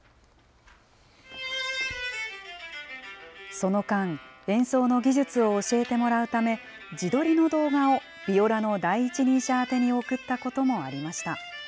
その間、演奏の技術を教えてもらうため、自撮りの動画をビオラの第一人者宛てに送ったこともありました。